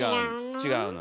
違うの。